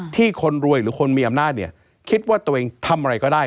ที่คนรวยหรือคนมีอำนาจคิดว่าตกเองทำอะไรก็ได้